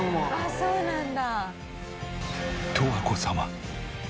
そうなんだ。